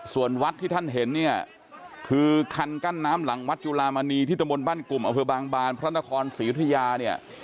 ส่วนวัดที่ท่านเห็นเนี่ยคือคันกั้นน้ำหลังวัดจุลามณีที่ตะบนบ้านกลุ่มอำเภอบางบานพระนครศรียุธยาเนี่ย